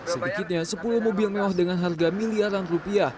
sedikitnya sepuluh mobil mewah dengan harga miliaran rupiah